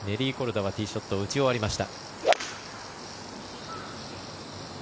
ネリー・コルダはティーショットを打ち終わりました。